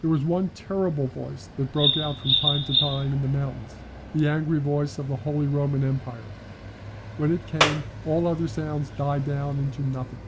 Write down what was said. There was one terrible voice that broke out from time to time in the mountains the angry voice of the Holy Roman Empire. When it came all other sounds died down into nothing.